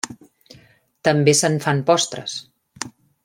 També se'n fan postres.